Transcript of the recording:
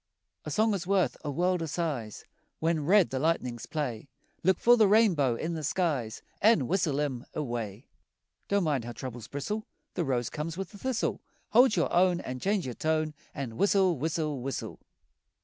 A song is worth a world o' sighs. When red the lightnings play, Look for the rainbow in the skies An' whistle 'em away. Don't mind how troubles bristle, The rose comes with the thistle. Hold your own An' change your tone An' whistle, whistle, whistle!